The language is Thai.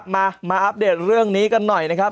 มาอัปเดตเรื่องนี้กันหน่อยนะครับ